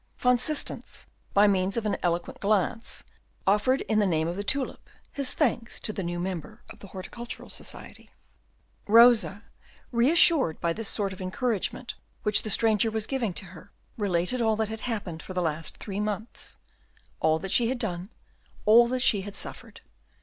Van Systens, by means of an eloquent glance, offered, in the name of the tulip, his thanks to the new member of the Horticultural Society. Rosa, reassured by this sort of encouragement which the stranger was giving her, related all that had happened for the last three months, all that she had done, and all that she had suffered.